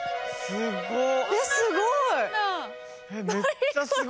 すごい。